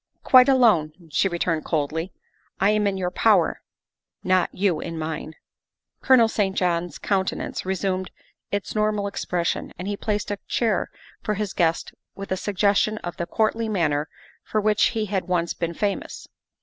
" Quite alone," she returned coldly. " I am in your power not you in mine." Colonel St. John's countenance resumed its normal expression, and he placed a chair for his guest with a suggestion of the courtly manner for which he had once been famous.